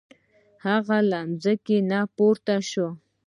هغه له ځمکې نه پورته شو.